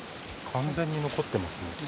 完全に残ってますね。